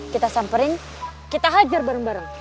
kita sampering kita hajar bareng bareng